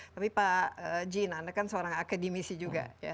tapi pak jin anda kan seorang akademisi juga ya